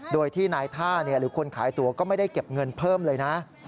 โดยที่นายท่าหรือคนขายตัวก็ไม่ได้เก็บเงินเพิ่มเลยนะ